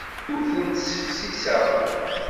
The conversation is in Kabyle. Ur tent-ssifsiseɣ.